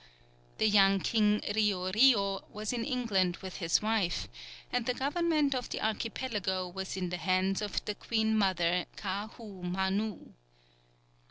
The young king Rio Rio was in England with his wife, and the government of the archipelago was in the hands of the queen mother, Kaahou Manou.